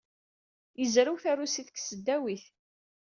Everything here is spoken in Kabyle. Yezrew tarusit deg tesdawit.